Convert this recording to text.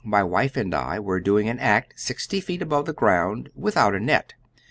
My wife and I were doing an act sixty feet above the ground, and without a net.